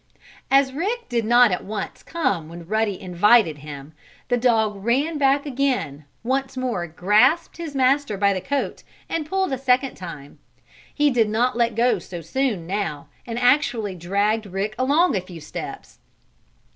As Rick did not at once come when Ruddy invited him the dog ran back again, once more grasped his master by the coat, and pulled a second time. He did not let go so soon, now, and actually dragged Rick along a few steps.